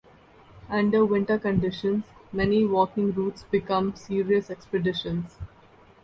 Under winter conditions, many walking routes become serious expeditions.